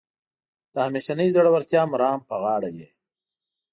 د همیشنۍ زړورتیا مرام په غاړه یې.